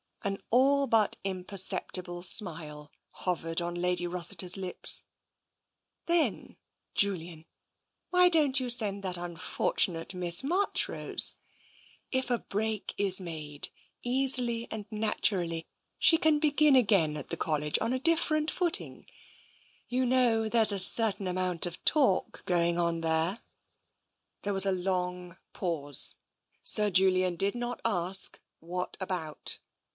An all but imperceptible smile hovered on Lady Ros siter's lips. " Then, Julian, why don't you send that unfortunate (€ it TENSION 225 Miss Marchrose? If a break is made, easily and natu rally, she can begin again at the College on a different footing. You know there's a certain amount of talk going on there? " There was a long pause. Sir Julian did not ask, "What about?"